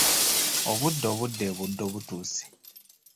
Obudde obudda e Buddo butuuse.